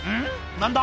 何だ？